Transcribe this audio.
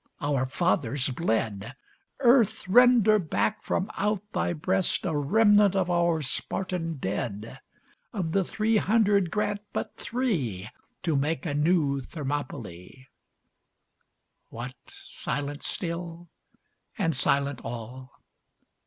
Our fathers bled. Earth! render back from out thy breast A remnant of our Spartan dead! Of the three hundred grant but three To make a new Thermopylæ! What, silent still? and silent all?